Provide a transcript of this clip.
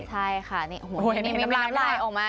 ใช่ค่ะนี่นี่มันล้ำลายออกมา